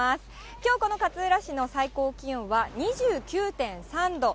きょう、この勝浦市の最高気温は２９．３度。